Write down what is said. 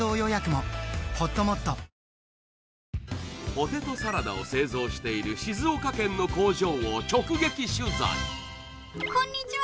ポテトサラダを製造している静岡県の工場を直撃取材